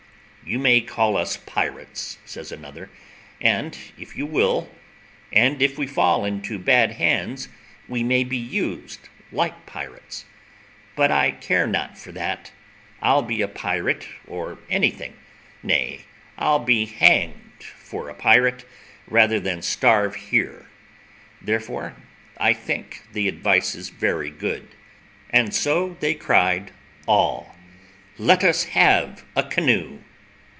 "You may call us pirates," says another, "if you will, and if we fall into bad hands, we may be used like pirates; but I care not for that, I'll be a pirate, or anything, nay, I'll be hanged for a pirate rather than starve here, therefore I think the advice is very good." And so they cried all, "Let us have a canoe."